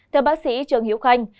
theo bác sĩ trường hiếu khanh